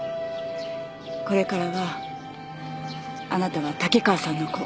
これからはあなたは竹川さんの子。